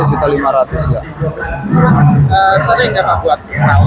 sering setiap tahun setiap tahun buat